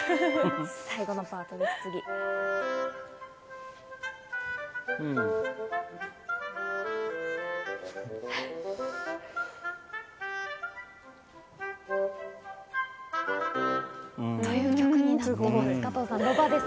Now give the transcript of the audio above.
最後のパートです、次。という曲になっています。